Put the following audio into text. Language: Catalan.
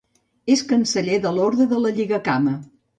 És canceller de l'Orde de la Lligacama.